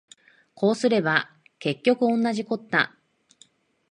そうすれば結局おんなじこった